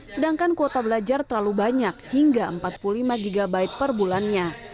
sedangkan kuota belajar terlalu banyak hingga empat puluh lima gb per bulannya